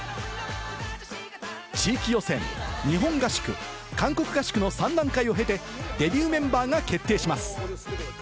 地域予選、日本合宿、韓国合宿の３段階を経て、デビューメンバーが決定します。